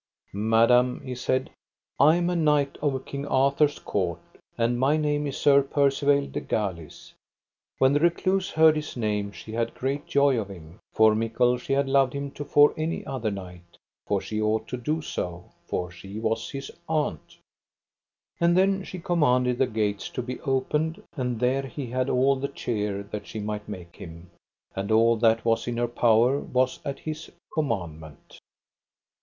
Madam, he said, I am a knight of King Arthur's court, and my name is Sir Percivale de Galis. When the recluse heard his name she had great joy of him, for mickle she had loved him to fore any other knight, for she ought to do so, for she was his aunt. And then she commanded the gates to be opened, and there he had all the cheer that she might make him, and all that was in her power was at his commandment.